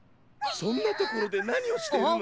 そんなところでなにをしてるの！